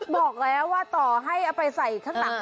บอกแล้วว่าต่อให้เอาไปใส่ข้างหลัง